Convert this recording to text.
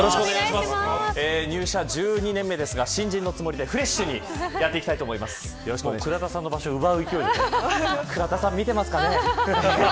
入社１２年目ですが新人のつもりでフレッシュに倉田さんの場所を倉田さん見てますかね。